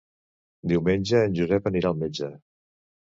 Diumenge en Josep anirà al metge.